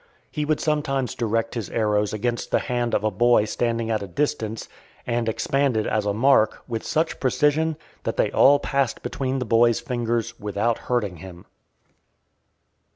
He would sometimes direct his arrows against the hand of a boy standing at a distance, and expanded as a mark, with such precision, that they all passed between the boy's fingers, without hurting him.